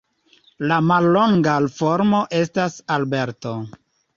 La mallonga formo estas Alberto.